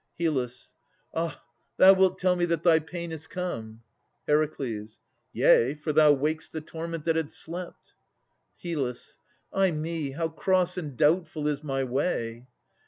HYL. Ah! thou wilt tell me that thy pain is come. HER. Yea, for thou wak'st the torment that had slept. HYL. Ay me! how cross and doubtful is my way!